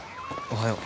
おはよう。